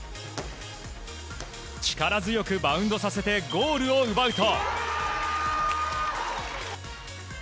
力強くバウンドさせてゴールを奪うと。